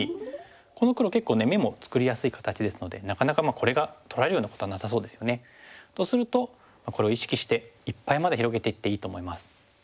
この黒結構眼も作りやすい形ですのでなかなかこれが取られるようなことはなさそうですよね。とするとこれを意識していっぱいまで広げていっていいと思います。